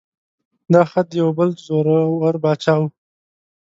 دا خط د یو بل زوره ور باچا و.